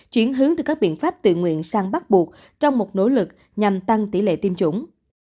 chuyển hướng từ các biện pháp tự nguyện sang bắt buộc trong một nỗ lực nhằm tăng tỷ lệ tiêm chủng